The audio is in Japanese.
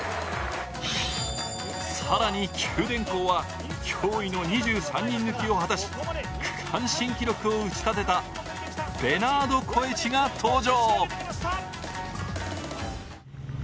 さらに九電工は驚異の２３人抜きを果たし区間新記録を打ち立てたベナード・コエチが登場。